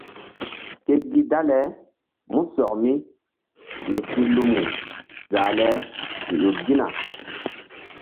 Ke gi dale músɔk mi mi si lumu zah le mi ƴo gina.